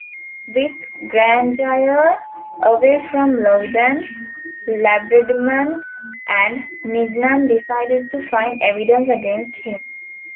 With Grandier away from Loudon, Laubardemont and Mignon decide to find evidence against him.